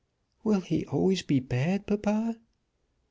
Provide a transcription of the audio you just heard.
"Will he always be bad, papa?"